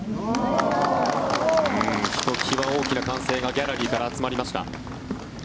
ひときわ大きな歓声がギャラリーから集まりました。